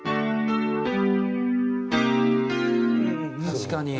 確かに。